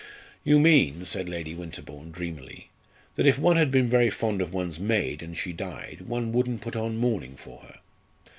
"You mean," said Lady Winterbourne, dreamily, "that if one had been very fond of one's maid, and she died, one wouldn't put on mourning for her.